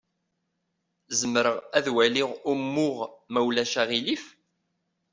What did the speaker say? Zemreɣ ad waliɣ umuɣ, ma ulac aɣilif?